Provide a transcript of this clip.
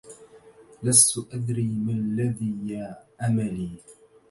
لست أدري ما الذي يا أملي